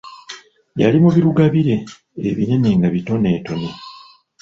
Yali mu birugabire ebinene nga bitoneetone.